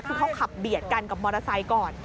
คือเขาขับเบียดกันกับมอเตอร์ไซค์ก่อน